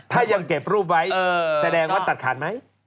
ถ้ายังเก็บรูปไว้แสดงว่าตัดขาดไหม